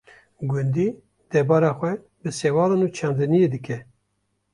Gundî debara xwe bi sewalan û çandiniyê dike.